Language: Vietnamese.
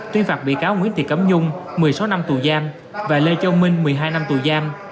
tuyên phạt bị cáo nguyễn thị cẩm nhung một mươi sáu năm tù giam và lê châu minh một mươi hai năm tù giam